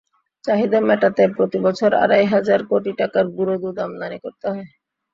চাহিদা মেটাতে প্রতিবছর আড়াই হাজার কোটি টাকার গুঁড়া দুধ আমদানি করতে হয়।